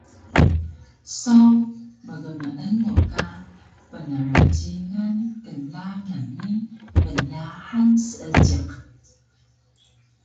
Saw mgmeenu ka pnrjingan knglangan ni pnyahan seejiq